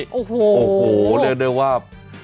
โอ้โหโอ้โหเรียกได้ว่า